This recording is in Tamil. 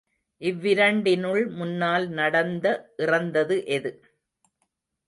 இவ்விரண்டனுள் முன்னால் நடந்த இறந்தது எது?